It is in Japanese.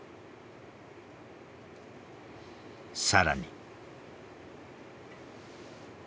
更に。